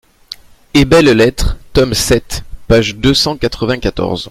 et belles-lettres, tome sept, page deux cent quatre-vingt-quatorze).